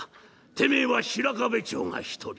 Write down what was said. てめえは白壁町が１人。